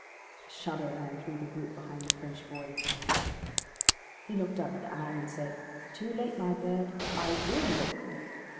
A shudder ran through the group behind the French boy. He looked up at the owl and said: "Too late, my bird; I will look."